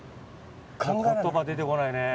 言葉が出てこないね。